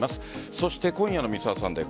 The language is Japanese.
そして今夜の「Ｍｒ．サンデー」